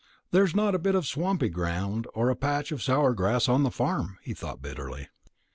There's not a bit of swampy ground or a patch of sour grass on the farm," he thought bitterly.